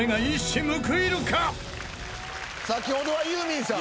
先ほどはユーミンさん。